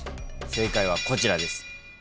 正解はこちらです。